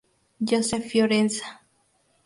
Joseph Fiorenza.